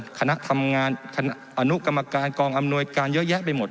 คณะทำงานอนุกรรมการกองอำนวยการเยอะแยะไปหมด